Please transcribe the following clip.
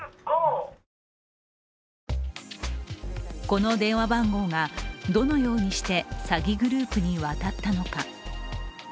この電話番号が、どのようにして詐欺グループにわたったのか。